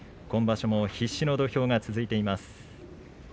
今場所も必死の土俵が続いています。